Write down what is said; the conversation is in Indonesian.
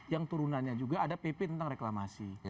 yang turunannya juga ada pp tentang reklamasi